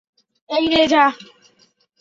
এই নে, যা।